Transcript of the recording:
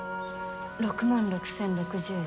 ６万６，０６０円。